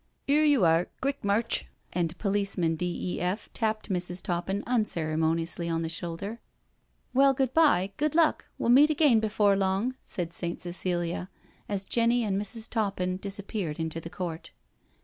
" 'Ere you air — quick march," and Policeman D.E.F. tapped Mrs. Toppin unceremoniously on the shoulder. " Well, good bye, good luck, we'll meet again before long," said Saint Cecilia, as Jenny and Mrs. Toppin disappeared into the court.